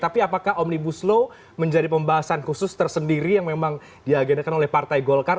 tapi apakah omnibus law menjadi pembahasan khusus tersendiri yang memang diagendakan oleh partai golkar